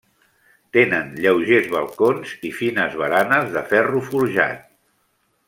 Tenen lleugers balcons i fines baranes de ferro forjat.